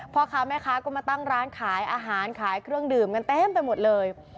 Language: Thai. พ่อค้าแม่ค้าก็มาตั้งร้านขายอาหารขายเครื่องดื่มกันเต็มไปหมดเลย